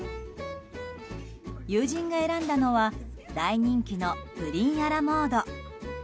友人が選んだのは大人気のプリンアラモード。